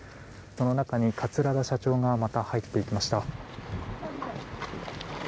この中に桂田社長がまた入っていきました。